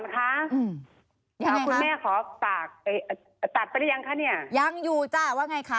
คุณจอมกวันคะ๓๗๖๐๐๙๙